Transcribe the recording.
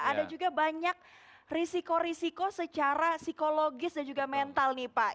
ada juga banyak risiko risiko secara psikologis dan juga mental nih pak